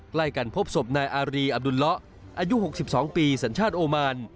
ใกล้กันพบศพนายอารีอับดุลละอายุ๖๒ปีสัญชาติโอมาน